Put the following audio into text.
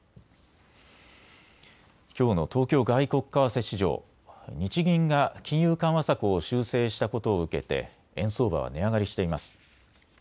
きょうの東京外国為替市場日銀が金融緩和策を修正したことを受けて円相場は値上がりしています。